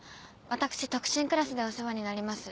私特進クラスでお世話になります。